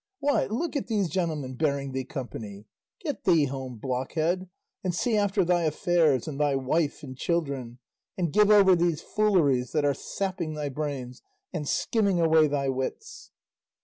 Why, look at these gentlemen bearing thee company! Get thee home, blockhead, and see after thy affairs, and thy wife and children, and give over these fooleries that are sapping thy brains and skimming away thy wits."